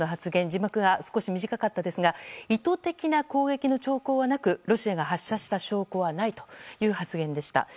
字幕が少し短かったですが意図的な攻撃の兆候はなくロシアが発射した証拠はないとの発言でした。